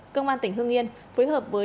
công an tỉnh hương yên phối hợp với